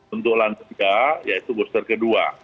untuk lantai tiga yaitu booster kedua